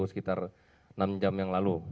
sekitar enam jam yang lalu